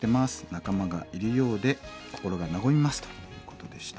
仲間がいるようで心が和みます」ということでした。